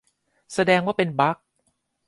แสดงว่าเป็นบั๊ก !